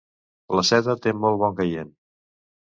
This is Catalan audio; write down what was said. La seda té molt bon caient.